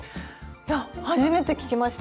いや初めて聞きました！